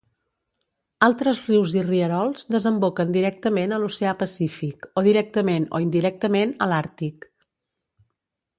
Altres rius i rierols desemboquen directament a l'oceà Pacífic o directament o indirectament a l'Àrtic.